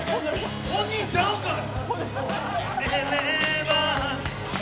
本人ちゃうんかい。